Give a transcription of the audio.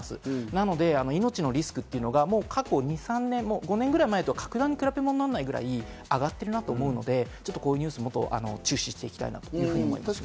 なので、命のリスクというのが、過去２３年、５年くらい前とは比べものにならないくらい上がっていると思うので、こういうニュース、もっと注視していきたいと思います。